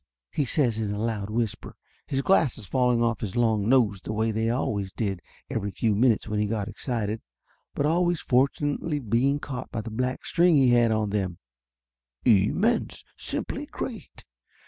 he says in a loud whisper, his glasses falling off his long nose the way they always did every few minutes when he got ex cited, but always fortunately being caught by the black string he had them on. "Immense simply great!